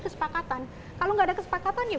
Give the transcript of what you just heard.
kesepakatan kalau nggak ada kesepakatan ya